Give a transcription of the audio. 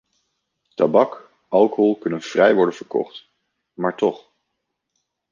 Tabak, alcohol kunnen vrij worden verkocht, maar toch!